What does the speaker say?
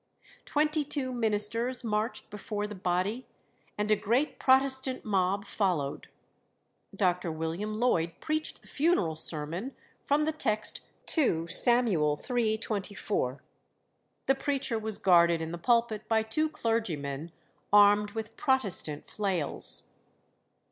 Twenty two ministers marched before the body, and a great Protestant mob followed. Dr. William Lloyd preached the funeral sermon from the text 2 Sam. iii. 24. The preacher was guarded in the pulpit by two clergymen armed with "Protestant flails."